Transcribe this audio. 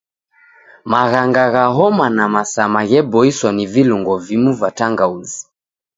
Maghanga gha homa na masama gheboiswa na vilungo vimu va tangauzi.